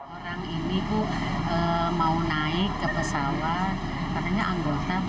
orang ini mau naik ke pesawat katanya anggota tapi saya tidak tahu